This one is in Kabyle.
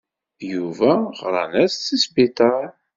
Yuba ɣran-as-d seg wesbiṭar.